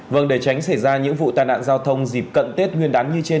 vâng để tránh xảy ra những vụ tai nạn giao thông dịp cận tết nguyên đán như trên